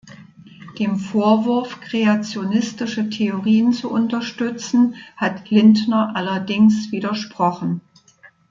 Dem Vorwurf, kreationistische Theorien zu unterstützen, hat Lintner allerdings widersprochen.